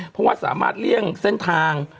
เพราะว่าสามารถเลี่ยงเส้นทาง